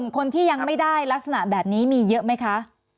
คนที่ยังไม่ได้ลักษณะแบบนี้มีเยอะไหมคะ